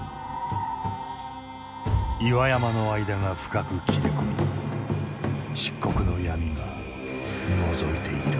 岩山の間が深く切れ込み漆黒の闇がのぞいている。